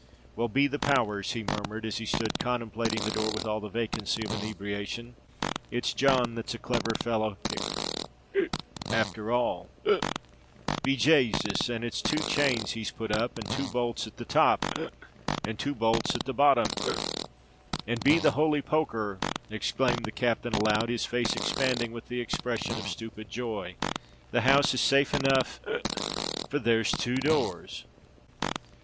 "Well, be the power rs!" he murmured, as he stood contemplating the door with all the vacancy of inebriation; "it's John that's a clever fellow—hic—afther all—hic! Be Jasus! and it's two chains he's put up—and two bolts at the top—hic—and two bolts at the bottom—hic—and, be the holy poker r!" exclaimed the captain aloud, his face expanding with an expresion of stupid joy; "the house is safe enough—hic—for there's two doors!"